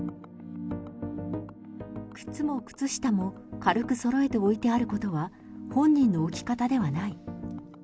靴も靴下も軽くそろえて置いてあることは、本人の置き方ではない。